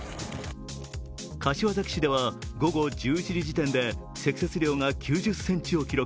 柏崎市では午後１１時時点で積雪量が９０ｃｍを記録。